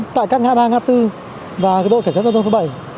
tại các ngã ba ngã tư và đội cảnh sát giao thông thứ bảy